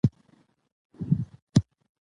پښتو به په ښوونځي کې کارېدله.